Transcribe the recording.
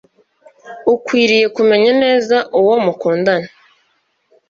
ukwiriye kumenya neza uwo mukundana